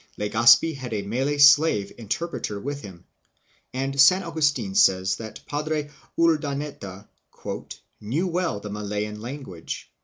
Legazpi had a Malay slave inter preter with him and San Augusti'n says that Padre Urdan eta " knew well the Malayan language."